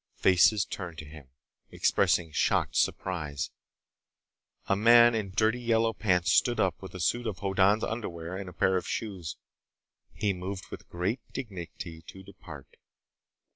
Faces turned to him, expressing shocked surprise. A man in dirty yellow pants stood up with a suit of Hoddan's underwear and a pair of shoes. He moved with great dignity to depart.